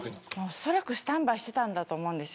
おそらくスタンバイしていたと思うんです。